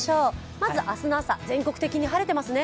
まず明日の朝、全国的に晴れていますね。